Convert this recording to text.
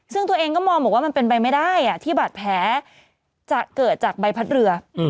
ซึ่งตัวเองก็มองบอกว่ามันเป็นไปไม่ได้ที่บาดแผลจะเกิดจากใบพัดเรือ